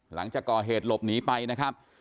หลังจากก่อเหตุหลบหนีไปนะครับ